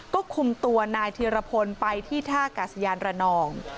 ก็คุมตัวนายธีรพลไปที่ท่ากาศยานระนอง